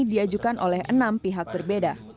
diajukan oleh enam pihak berbeda